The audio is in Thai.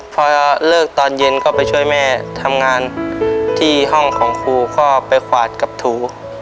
พอเลิกตอนเย็นก็ไปช่วยแม่ทำงานที่ห้องของครูก็ไปขวาดกับถู